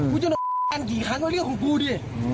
จะโดนกันกี่ครั้งก็เรื่องของกูดิ